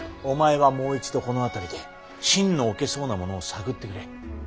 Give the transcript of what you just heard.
お前はもう一度この辺りで信の置けそうな者を探ってくれ。